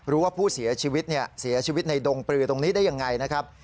รู้ว่าผู้เสียชีวิตในดงปลือตรงนี้ได้อย่างไรนะครับ